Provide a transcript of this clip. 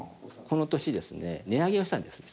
この年ですね値上げをしたんです実はね。